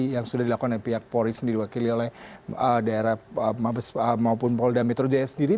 yang sudah dilakukan oleh pihak polri sendiri diwakili oleh daerah mabes maupun polda metro jaya sendiri